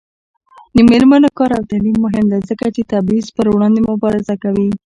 د میرمنو کار او تعلیم مهم دی ځکه چې تبعیض پر وړاندې مبارزه کوي.